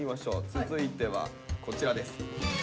続いてはこちらです。